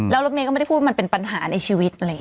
แล้วแม่ก็ไม่ได้พูดว่ามันเป็นปัญหาในชีวิต